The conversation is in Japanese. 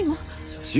写真？